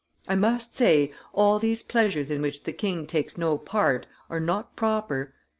I must say, all these pleasures in which the king takes no part, are not proper.